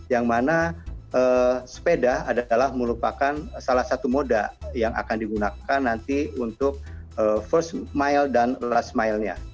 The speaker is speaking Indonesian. yang mana sepeda adalah merupakan salah satu moda yang akan digunakan nanti untuk first mile dan last mile nya